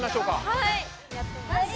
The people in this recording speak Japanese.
はい。